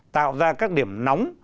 tạo ra các điểm nóng